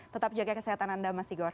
tetap jaga kesehatan anda mas tigor